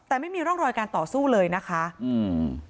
แต่ไม่มีร่องรอยการต่อสู้เลยนะคะอืม